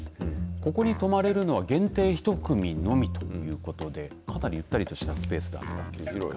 ここに泊まれるのは限定１組のみということでかなり、ゆったりとしたスペースなんです。